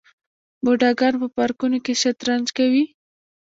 بوډاګان په پارکونو کې شطرنج کوي.